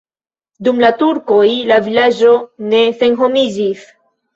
Dum la turkoj la vilaĝo ne senhomiĝis.